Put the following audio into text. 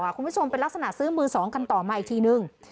คุณผู้ชมเป็นลักษณะซื้อมือสองกันต่อมาอีกทีนึง